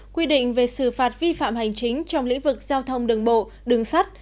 quy định về xử phạt vi phạm hành chính trong lĩnh vực giao thông đường bộ đường sắt